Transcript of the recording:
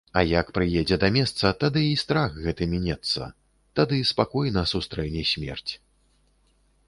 А як прыедзе да месца, тады і страх гэты мінецца, тады спакойна сустрэне смерць.